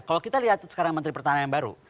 kalau kita lihat sekarang menteri pertahanan yang baru